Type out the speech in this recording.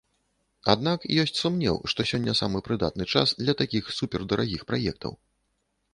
Аднак ёсць сумнеў, што сёння самы прыдатны час для такіх супердарагіх праектаў.